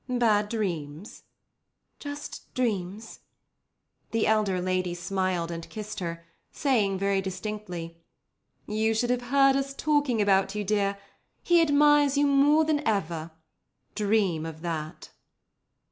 "Bad dreams?" "Just dreams." The elder lady smiled and kissed her, saying very distinctly: "You should have heard us talking about you, dear. He admires you more than ever. Dream of that."